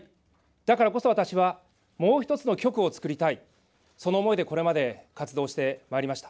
だからこそ私は、もう一つの極をつくりたいと、その思いでこれまで活動してまいりました。